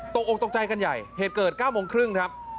ตกออกตกใจกันใหญ่เหตุเกิด๙โมงครึ่งครับ